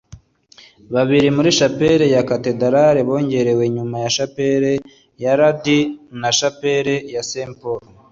Babiri muri shapeli ya katedrali bongerewe nyuma - Chapel ya Lady na Chapel ya St Paul